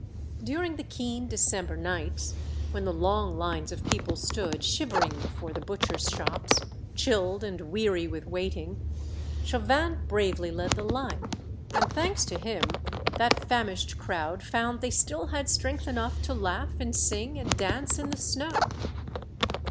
During the keen December nights, when the long lines of people stood shivering before the butchers' shops, chilled and weary with waiting, Chauvin bravely led the line, and thanks to him, that famished crov/d The Death of Chauvin, 129 found they still had strength enough to laugh and sing, and dance in the snow.